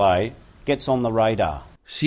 bisa mendapatkan akses berdasarkan diagnosis